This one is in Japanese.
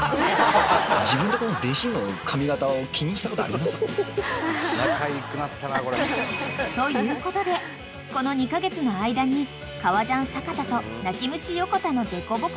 ［ということでこの２カ月の間に］